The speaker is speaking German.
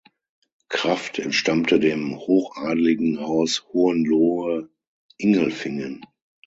Kraft entstammte dem hochadeligen Haus Hohenlohe-Ingelfingen.